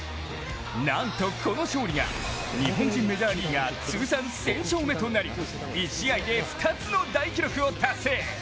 なんとこの勝利が、日本人メジャーリーガー通算１０００勝目となり１試合で２つの大記録を達成。